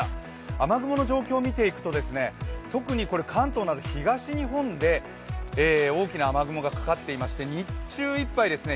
雨雲の状況を見ていくと、特に関東などの東日本で大きな雨雲がかかっていまして日中いっぱいですね